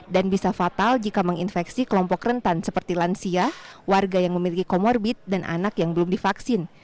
dan bisa fatal jika menginfeksi kelompok rentan seperti lansia warga yang memiliki komorbit dan anak yang belum divaksin